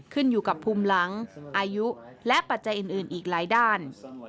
ขึ้นอยู่กับภูมิหลังอายุและปัจจัยอื่นอีกหลายด้าน